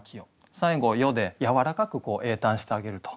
最後を「よ」でやわらかく詠嘆してあげると。